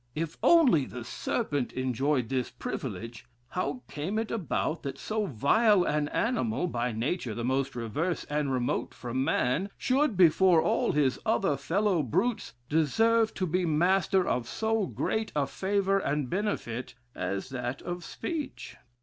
If only the serpent enjoyed this privilege, how came it about that so vile an animal (by nature the most reverse and remote from man) should, before all his other fellow brutes, deserve to be master of so great a favor and benefit as that of speech?